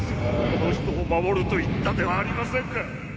あの人を守ると言ったではありませんか！